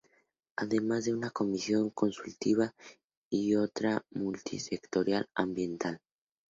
Además de una comisión consultiva y otra multisectorial ambiental.